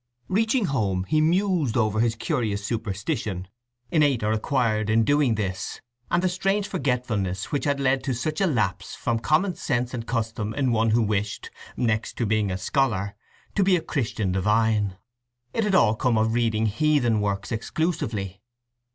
Reaching home, he mused over his curious superstition, innate or acquired, in doing this, and the strange forgetfulness which had led to such a lapse from common sense and custom in one who wished, next to being a scholar, to be a Christian divine. It had all come of reading heathen works exclusively.